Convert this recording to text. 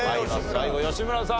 最後吉村さん